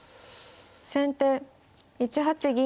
先手１八銀。